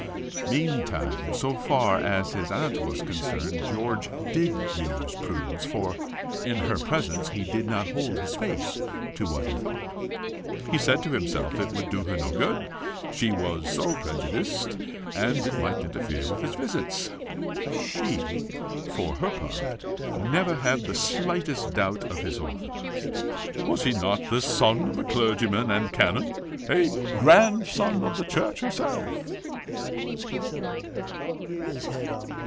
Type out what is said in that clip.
Meantime, so far as his aunt was concerned, George did use prudence, for in her presence he did not hold his face to what he thought. He said to himself it would do her no good. She was so prejudiced! and it might interfere with his visits. She, for her part, never had the slightest doubt of his orthodoxy: was he not the son of a clergyman and canon? a grandson of the church herself?